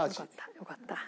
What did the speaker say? よかった。